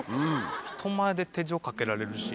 人前で手錠かけられるし。